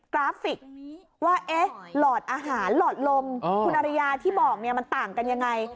กราฟิกว่าหลอดอาหารหลอดลมคุณอริยาที่บอกมันต่างกันยังไง